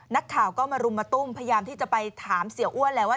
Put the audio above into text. นักข่าวก็มารุมมาตุ้มพยายามที่จะไปถามเสียอ้วนแล้วว่า